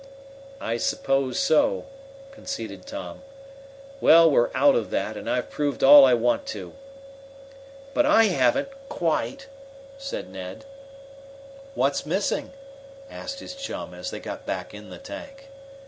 "I suppose so," conceded Tom. "Well, we're out of that, and I've proved all I want to." "But I haven't quite," said Ned. "What's missing?" asked his chum, as they got back in the tank.